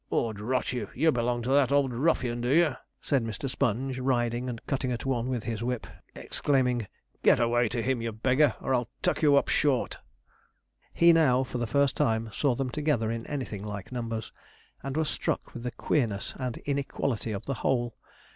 ''Ord rot you, you belong to that old ruffian, do you?' said Mr. Sponge, riding and cutting at one with his whip, exclaiming, 'Get away to him, ye beggar, or I'll tuck you up short.' He now, for the first time, saw them together in anything like numbers, and was struck with the queerness and inequality of the whole.